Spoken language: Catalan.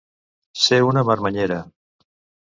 Ser una marmanyera.